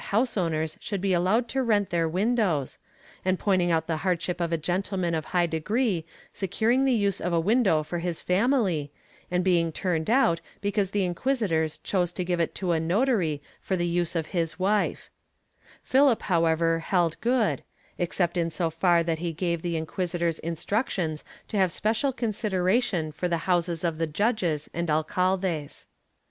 Against this, in 1595, the president and judges of the Audiencia of Granada protested, begging that house owners should be allowed to rent their windows, and pointing out the hardship of a gentleman of high degree securing the use of a window for his family, and being turned out because the inquisitors chose to give it to a notary for the use of his wife. Philip, however, held good, except in so far that he gave the inquisitors instructions to have special considera tion for the houses of the judges and alcaldes.